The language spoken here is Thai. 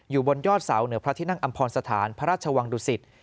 บนยอดเสาเหนือพระที่นั่งอำพรสถานพระราชวังดุสิต